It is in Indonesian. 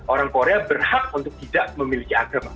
jadi orang korea berhak untuk tidak memilih agama apapun